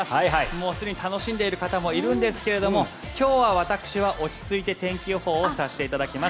もうすでに楽しんでいる方もいるんですけど今日は私は落ち着いて天気予報をさせていただきます。